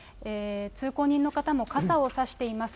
通行人の方も傘を差しています。